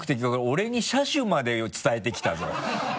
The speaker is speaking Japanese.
俺に車種まで伝えてきたぞ。